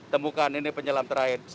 temukan ini penyelam terakhir